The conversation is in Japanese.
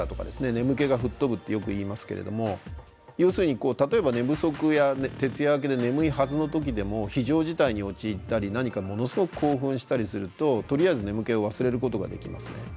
眠気が吹っ飛ぶってよく言いますけれども要するに例えば寝不足や徹夜明けで眠いはずの時でも非常事態に陥ったり何かものすごく興奮したりするととりあえず眠気を忘れることができますね。